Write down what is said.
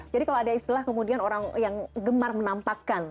jadi kalau ada istilah kemudian orang yang gemar menampakkan